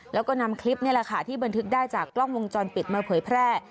แล้วก็นำคลิปนี่แหละค่ะที่บันทึกได้จากกล้องวงจรปิดมาเผยแพร่